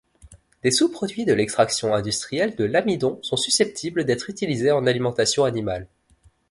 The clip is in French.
Des sous-produits de l'extraction industrielle de l'amidon sont susceptibles d'être utilisés en alimentation animale.